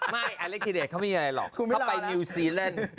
ไม่อเล็กธิเดชเขาไม่มีอะไรหรอกเขาไปนิวซีเล่น